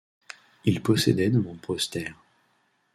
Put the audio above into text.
Il possédait de nombreuses terres.